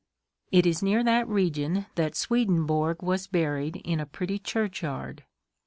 It is near that region that Swedenborg was buried in a pretty churchyard.